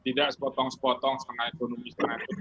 tidak sepotong sepotong semena ekonomi semena ekonomi